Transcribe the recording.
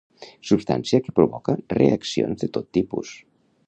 Substància que provoca reaccions de tot tipus.